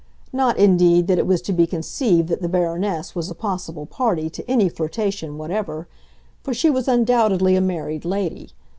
Not, indeed, that it was to be conceived that the Baroness was a possible party to any flirtation whatever; for she was undoubtedly a married lady.